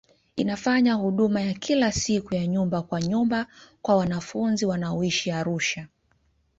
Inafanya huduma ya kila siku ya nyumba kwa nyumba kwa wanafunzi wanaoishi Arusha.